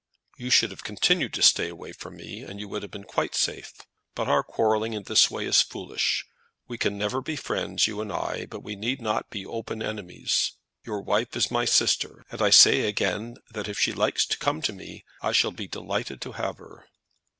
"You should have continued to stay away from me, and you would have been quite safe. But our quarrelling in this way is foolish. We can never be friends, you and I; but we need not be open enemies. Your wife is my sister, and I say again that if she likes to come to me, I shall be delighted to have her."